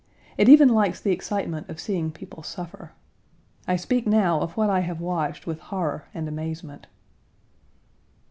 It even likes the excitement of seeing people suffer. I speak now of what I have watched with horror and amazement.